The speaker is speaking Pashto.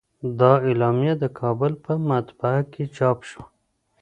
دا اعلامیه د کابل په مطبعه کې چاپ شوه.